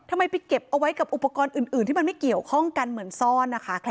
ไปเก็บเอาไว้กับอุปกรณ์อื่นที่มันไม่เกี่ยวข้องกันเหมือนซ่อนนะคะ